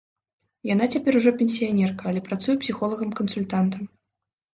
Яна цяпер ужо пенсіянерка, але працуе псіхолагам-кансультантам.